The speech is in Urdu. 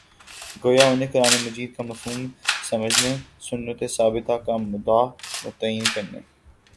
گویا انھیں قرآنِ مجیدکامفہوم سمجھنے، سنتِ ثابتہ کا مدعا متعین کرنے